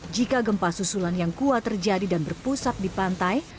jika gempa susulan yang kuat terjadi dan berpusat di pantai